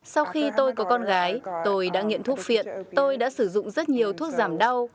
sau khi tôi có con gái tôi đã nghiện thuốc phiện tôi đã sử dụng rất nhiều thuốc giảm đau